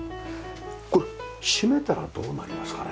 これ閉めたらどうなりますかね？